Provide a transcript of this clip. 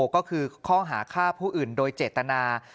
ก็คือข้อหาฆ่าผู้อื่นโดยเจตนา